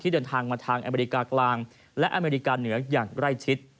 เดินทางมาทางอเมริกากลางและอเมริกาเหนืออย่างใกล้ชิด